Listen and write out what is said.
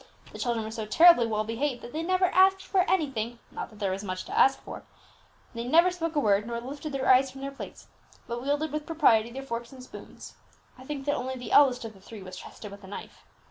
The children were so terribly well behaved, that they never asked for anything (not that there was much to ask for), they never spoke a word, nor lifted their eyes from their plates, but wielded with propriety their forks and spoons; I think that only the eldest of the three was trusted with a knife.